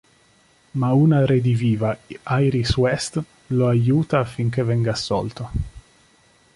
Ma una rediviva Iris West lo aiuta affinché venga assolto.